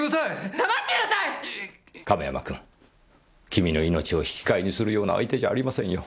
君の命を引き換えにするような相手じゃありませんよ。